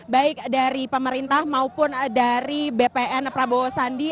baik dari pemerintah maupun dari bpn prabowo sandi